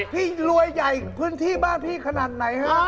พี่รวยในอย่างแบบบ้านขาดไหน